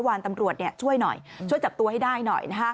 วานตำรวจช่วยหน่อยช่วยจับตัวให้ได้หน่อย